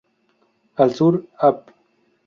Al sur Av.